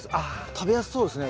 食べやすそうですね